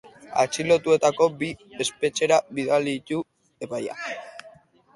Atxilotuetako bi espetxera bidali ditu epaileak.